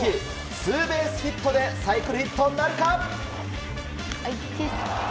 ツーベースヒットでサイクルヒットなるか。